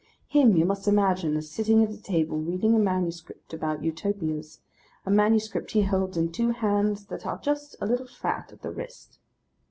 Him you must imagine as sitting at a table reading a manuscript about Utopias, a manuscript he holds in two hands that are just a little fat at the wrist.